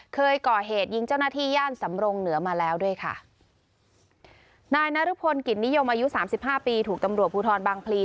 เคยก่อเหตุยิงเจ้าหน้าที่ย่านสำรงเหนือมาแล้วด้วยค่ะนายนรพลกิจนิยมอายุสามสิบห้าปีถูกตำรวจภูทรบางพลี